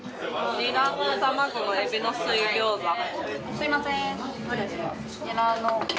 すいません。